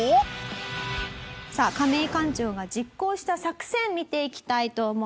さあカメイ館長が実行した作戦見ていきたいと思います。